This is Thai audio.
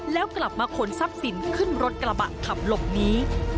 แล้วกลับมาขนทรัพย์สินขึ้นรถกระบะขับหลบหนี